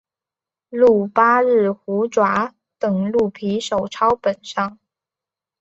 鹿八日虎爪等鹿皮手抄本上。